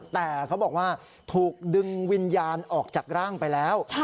แต่เขาบอกว่าถูกดึงวิญญาณออกจากร่างไปแล้ว